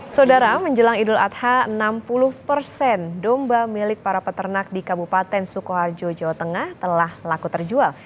saudara menjelang idul adha enam puluh persen domba milik para peternak di kabupaten sukoharjo jawa tengah telah laku terjual